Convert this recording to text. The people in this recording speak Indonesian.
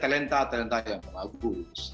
talenta talenta yang bagus